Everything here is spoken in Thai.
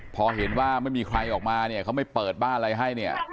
พอเห็นว่าไม่มีใครออกมาเนี่ยเขาไม่เปิดบ้านอะไรให้เนี่ย